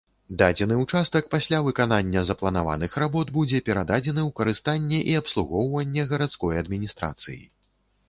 Дадзены ўчастак пасля выканання запланаваных работ будзе перададзены ў карыстанне і абслугоўванне гарадской адміністрацыі.